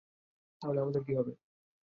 তাহলে আমাদের কী হবে?